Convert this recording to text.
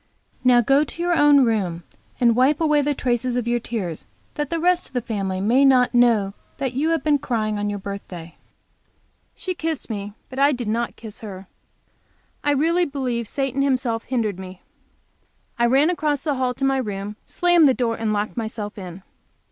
Now go to your own room, and wipe away the traces of your tears that the rest of the family may not know that you have been crying on your birthday." She kissed me but I did not kiss her. I really believe Satan himself hindered me. I ran across the hall to my room, slammed the door, and locked myself in.